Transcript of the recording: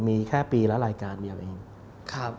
มีแค่ปีแล้วรายการเดียวเอง